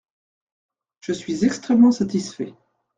Je suis extrêmement satisfait.